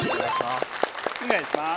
お願いします。